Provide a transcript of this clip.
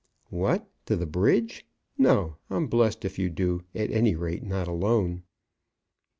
"What! to the bridge? No; I'm blessed if you do; at any rate not alone."